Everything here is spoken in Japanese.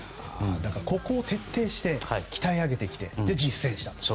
ここを徹底して鍛え上げてきて実践したと。